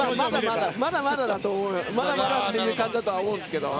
まだまだっていう感じだとは思うんですけど。